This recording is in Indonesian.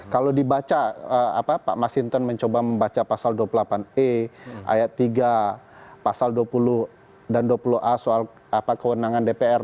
kalau dibaca pak mas hinton mencoba membaca pasal dua puluh delapan e ayat tiga pasal dua puluh dan dua puluh a soal kewenangan dpr